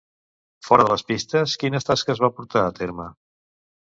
Fora de les pistes, quines tasques va portar a terme?